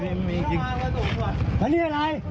เดี๋ยวปืนอยู่ในอังกฎมั้ยน่ะ